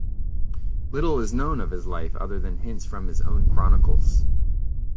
Little is known of his life other than hints from his own chronicles.